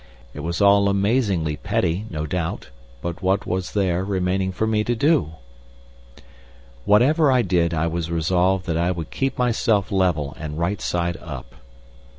It was all amazingly petty, no doubt, but what was there remaining for me to do? Whatever I did I was resolved that I would keep myself level and right side up.